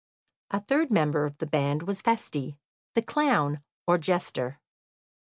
A third member of the band was Feste, the clown, or jester.